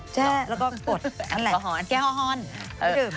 ใช่แล้วก็กดอันแหละแค่ฮอลไม่ดื่ม